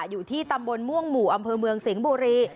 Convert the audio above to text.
อยู่ที่ตำบลม่วงหมู่อำเภอเมืองสิงห์บุรี